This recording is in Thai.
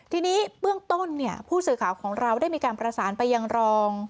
ทีนี้เบื้องต้นเนี่ยผู้สื่อข่าวของเราได้มีการประสานไปยังรอง